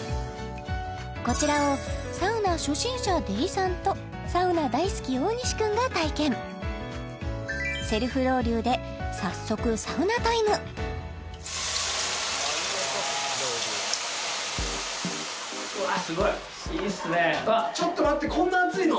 こちらをサウナ初心者出井さんとサウナ大好き大西くんが体験セルフロウリュで早速サウナタイムあっすごいいいっすねちょっと待ってこんな熱いの？